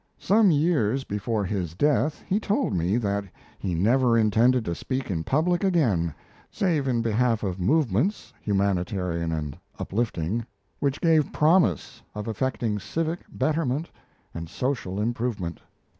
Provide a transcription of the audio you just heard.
Some years before his death, he told me that he never intended to speak in public again save in behalf of movements, humanitarian and uplifting, which gave promise of effecting civic betterment and social improvement.